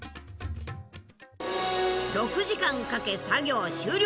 ６時間かけ作業終了！